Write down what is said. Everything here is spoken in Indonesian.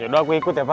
yaudah aku ikut ya pak